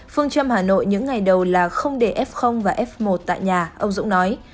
phương châm hà nội những ngày đầu là không để f và f một tại nhà ông dũng nói